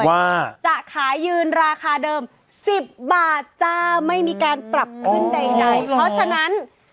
ว่าจะขายยืนราคาเดิมสิบบาทจ้าไม่มีการปรับขึ้นใดเพราะฉะนั้น